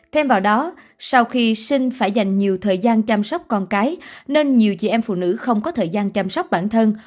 thêm vào đó sau khi sinh phải dành nhiều thời gian chăm sóc con cái nên nhiều chị em phụ nữ không có thời gian chăm sóc bản thân